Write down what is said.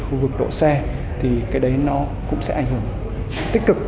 khu vực đỗ xe thì cái đấy nó cũng sẽ ảnh hưởng tích cực